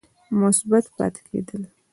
مثبت پاتې کېد ل